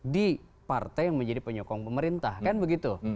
di partai yang menjadi penyokong pemerintah kan begitu